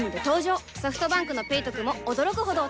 ソフトバンクの「ペイトク」も驚くほどおトク